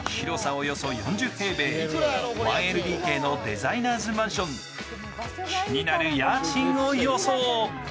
およそ４０平米１ＬＤＫのデザイナーズマンション気になる家賃を予想